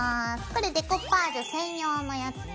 これデコパージュ専用のやつね。